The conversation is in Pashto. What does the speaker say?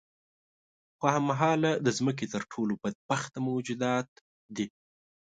خو هم مهاله د ځمکې تر ټولو بدبخته موجودات دي.